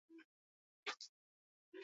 Norbanakook auzolana egin behar dugu.